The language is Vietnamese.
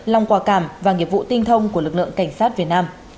lòng quả cảm và nghiệp vụ tinh thông của lực lượng cảnh sát việt nam